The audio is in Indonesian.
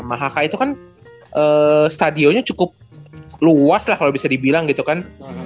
mahaka itu kan stadionnya cukup luas lah kalau bisa dibilang gitu kan